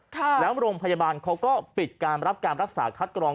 แล้วโรงพยาบาลเขาก็ปิดการรับการรักษาคัดกรอง